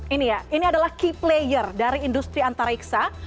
ini ya ini adalah key player dari industri antariksa